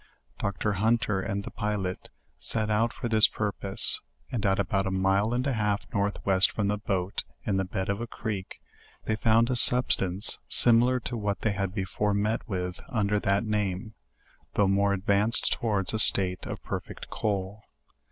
Doctor Hunter, and the pilot, set out for this pur pose, and at about a mile and a half north west from the boat, in the bad of a creek, they found a substance similar to what they had before met with under that name, though more ad vanced towards a state of perfect coal.